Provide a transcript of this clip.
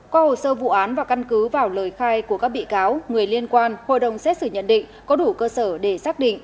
qua hồ sơ vụ án và căn cứ vào lời khai của các bị cáo người liên quan hội đồng xét xử nhận định có đủ cơ sở để xác định